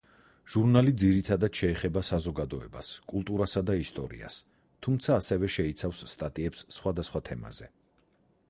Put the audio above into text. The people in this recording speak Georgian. ჟურნალი ძირითადად შეეხება საზოგადოებას, კულტურასა და ისტორიას, თუმცა, ასევე, შეიცავს სტატიებს სხვადასხვა თემაზე.